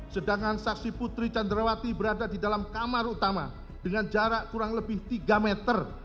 sedangkan saksi putri candrawati berada di dalam kamar utama dengan jarak kurang lebih tiga meter